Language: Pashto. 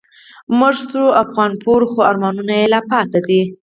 مړ شو افغانپور خو آرمانونه یې لا پاتی دي